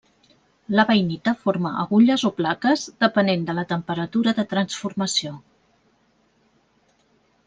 La bainita forma agulles o plaques, depenent de la temperatura de transformació.